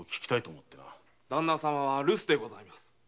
旦那様は留守でございます。